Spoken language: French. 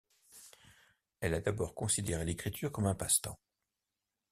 Elle a d'abord considéré l'écriture comme un passe-temps.